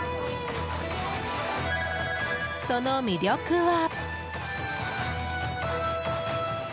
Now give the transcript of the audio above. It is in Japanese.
その魅力は。